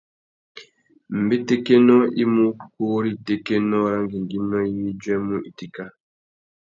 Mbétékénô i mú ukú râ itékénô râ ngüéngüinô iwí i djuêmú itéka.